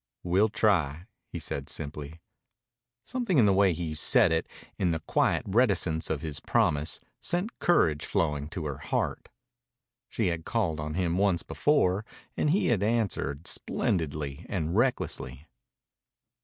"We'll try," he said simply. Something in the way he said it, in the quiet reticence of his promise, sent courage flowing to her heart. She had called on him once before, and he had answered splendidly and recklessly.